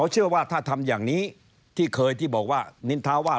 จะป้องกันไม่ให้สอสอเข้ามามีส่วนเกี่ยวข้องกับเรื่องงบประมาณ